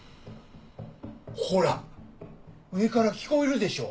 ほら上から聞こえるでしょ。